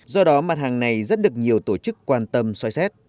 do đó mặt hàng này rất được nhiều tổ chức quan tâm soi xét